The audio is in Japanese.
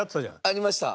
ありました。